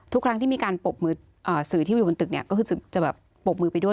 ทุกครั้งที่มีการปรบมือสื่อที่อยู่บนตึกเนี่ยก็คือจะแบบปรบมือไปด้วย